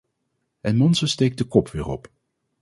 Het monster steekt de kop weer op.